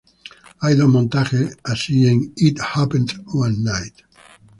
Hay dos montajes así en "It Happened One Night.